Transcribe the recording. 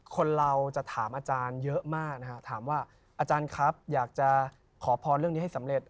คนเราจะถามอาจารย์เยอะมากนะฮะถามว่าอาจารย์ครับอยากจะขอพรเรื่องนี้ให้สำเร็จ